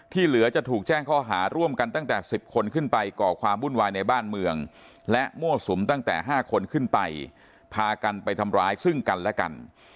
เหลือจะถูกแจ้งข้อหาร่วมกันตั้งแต่๑๐คนขึ้นไปก่อความวุ่นวายในบ้านเมืองและมั่วสุมตั้งแต่๕คนขึ้นไปพากันไปทำร้ายซึ่งกันและกัน